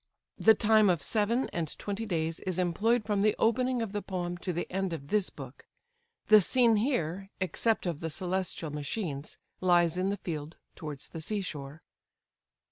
The time of seven and twenty days is employed from the opening of the poem to the end of this book. The scene here (except of the celestial machines) lies in the field towards the seashore.